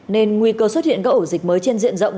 nên nguy cơ xuất hiện các ổ dịch mới trên diện rộng